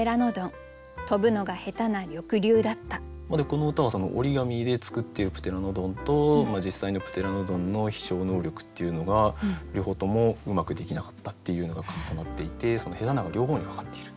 この歌は折り紙で作っているプテラノドンと実際のプテラノドンの飛しょう能力っていうのが両方ともうまくできなかったっていうのが重なっていて「下手な」が両方にかかっている。